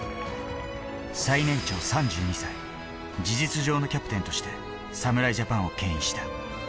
最年長３２歳、事実上のキャプテンとして侍ジャパンをけん引した。